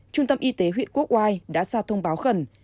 trung tâm y tế huyện quốc oai đã ra thông báo khẩn